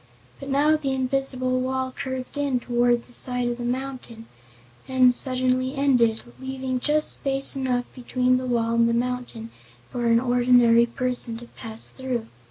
But now the invisible wall curved in toward the side of the mountain and suddenly ended, leaving just space enough between the wall and the mountain for an ordinary person to pass through.